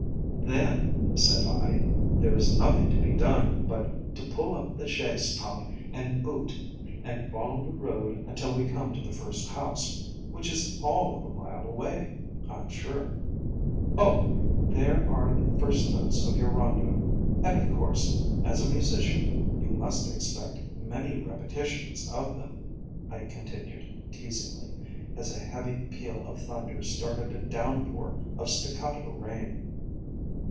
"Then," said I, "there is nothing to be done but to pull up the chaise top and boot and follow the road until we come to the first house, which is all of a mile away, I 'm sure. Oh ! there are the first notes of your Rondo, and, of course, as a mu sician, you must expect many repetitions of them," I continued, teasingly, as a heavy peal of thunder started a downpour of staccato rain.